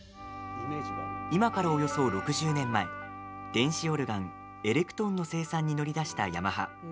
今からおよそ６０年前電子オルガン、エレクトーンの生産に乗り出したヤマハ。